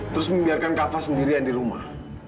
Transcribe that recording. terus membiarkan kapal sendirian di rumah